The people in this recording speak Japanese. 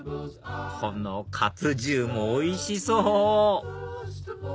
このカツ重もおいしそう！